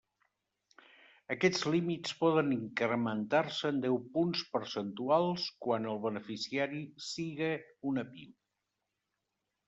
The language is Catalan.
Aquests límits poden incrementar-se en deu punts percentuals quan el beneficiari siga una PIME.